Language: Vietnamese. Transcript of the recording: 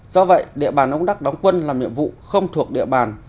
do vậy địa bàn ông đắc đóng quân làm nhiệm vụ không thuộc địa bàn